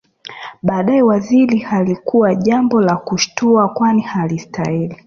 Baadae Waziri halikuwa jambo la kushtua kwani alistahili